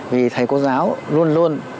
vì thầy cô giáo luôn luôn